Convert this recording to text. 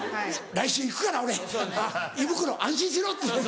来週行くから俺胃袋安心しろっていうやつ。